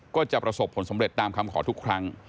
ก็จะประสบผลสำเร็จตามคำขอทุกครั้ง